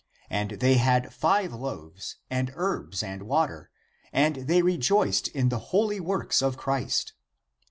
And they had five loaves, and herbs, and water, and they rejoiced in the holy works of Christ.